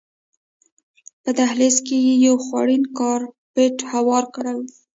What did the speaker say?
په دهلیز کې یې یو خوړین کارپېټ هوار کړی و.